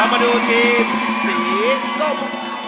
มาดูทีมสีส้ม